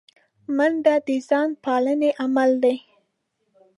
منډه د ځان پالنې عمل دی